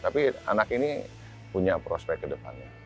tapi anak ini punya prospek kedepannya